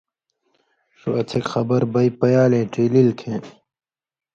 ݜُو اڅھکیۡ خبر بئ پیالے ڇیلِلیۡ کھیں